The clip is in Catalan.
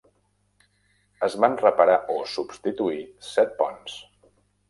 Es van reparar o substituir set ponts.